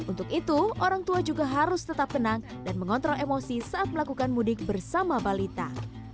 untuk itu orang tua juga harus tetap tenang dan mengontrol emosi saat melakukan mudik bersama balita